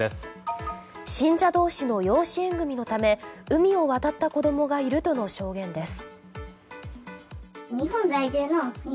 信者同士の養子縁組のため海を渡った子供がいるとの証言です。